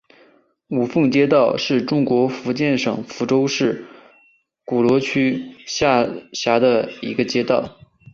五凤街道是中国福建省福州市鼓楼区下辖的一个街道。